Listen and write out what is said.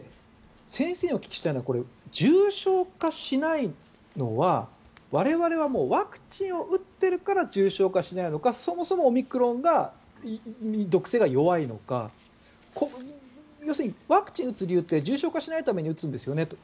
先生にお聞きしたいのは重症化しないのは我々はもうワクチンを打っているから重症化しないのかそもそもオミクロンが毒性が弱いのか要するにワクチンを打つ理由って重症化しないために打つんですよね